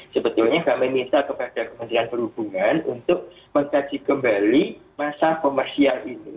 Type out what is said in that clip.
sebetulnya kami minta kepada kementerian perhubungan untuk mengkaji kembali masa komersial ini